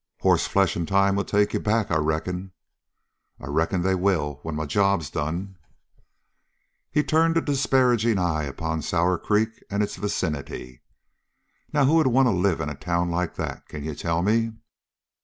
"Hossflesh and time will take you back, I reckon." "I reckon they will, when my job's done." He turned a disparaging eye upon Sour Creek and its vicinity. "Now, who would want to live in a town like that, can you tell me?"